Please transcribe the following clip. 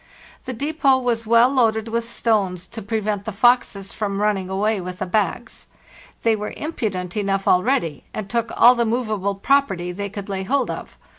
The depot was well loaded with stones to prevent the foxes from running away with the bags. They were impudent enough already, and took all the movable property they could lay hold of.